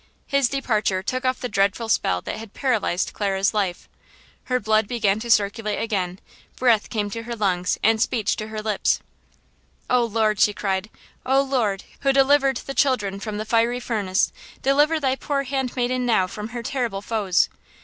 His departure took off the dreadful spell that had paralyzed Clara's life; her blood began to circulate again; breath came to her lungs and speech to her lips. "Oh, Lord," she cried, "oh, Lord, who delivered the children from the fiery furnace, deliver thy poor handmaiden now from her terrible foes!"